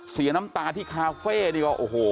เสียน้ำตาที่คาเฟ่ดีกว่าโอ้โห